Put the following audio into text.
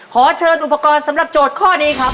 ขอเชิญอุปกรณ์สำหรับโจทย์ข้อนี้ครับ